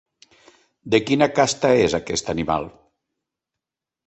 De quina casta és aquest animal?